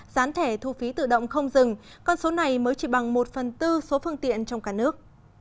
gián thẻ thu phí tự động không dừng con số này mới chỉ bằng một phần tư số phương tiện trong cả nước